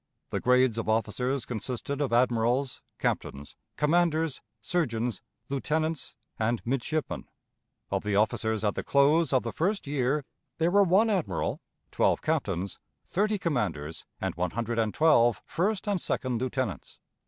The grades of officers consisted of admirals, captains, commanders, surgeons, lieutenants, and midshipmen. Of the officers at the close of the first year there were one admiral, twelve captains, thirty commanders, and one hundred and twelve first and second lieutenants.